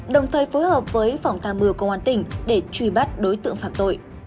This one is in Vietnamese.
đồng thời phối hợp với phòng tà mưa công an tỉnh để truy bắt đối tượng phạm tội